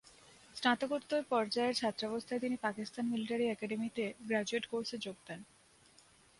স্নাতকোত্তর পর্যায়ের ছাত্রাবস্থায় তিনি পাকিস্তান মিলিটারি একাডেমীতে 'গ্রাজুয়েট কোর্স' এ যোগ দেন।